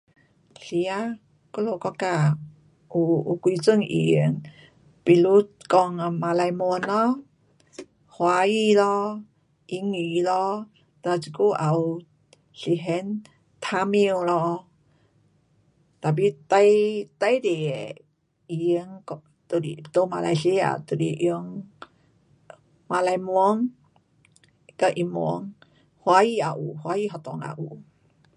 是呀，我们国家有，有几种语言，比如讲讲马来文咯，华语咯，英语咯，哒这久也有实行 Tamil 咯，tapi 最，最多的语言就是，在马来西亚就是用马来文跟英文，华语也有。华语学堂也有。